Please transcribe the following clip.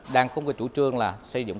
đang có chủ trương là xây dựng